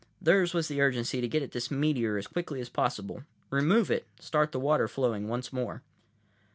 Theirs was the urgency to get at this meteor as quickly as possible, remove it, start the water flowing once more.